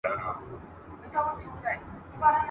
دا سړی چي درته ځیر دی مخامخ په آیینه کي !.